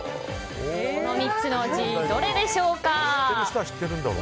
この３つのうち、どれでしょうか。